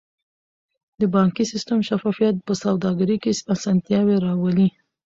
د بانکي سیستم شفافیت په سوداګرۍ کې اسانتیاوې راولي.